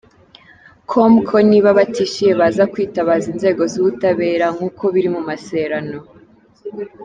com ko niba batishyuye baza kwitabaza inzego z’ubutabera nk’uko biri mu maseerano.